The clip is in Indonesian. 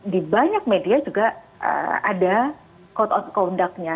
di banyak media juga ada code of conduct nya